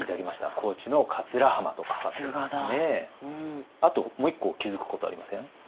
あともう一個気付くことありません？